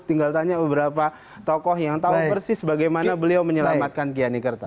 tinggal tanya beberapa tokoh yang tahu persis bagaimana beliau menyelamatkan kiani kerta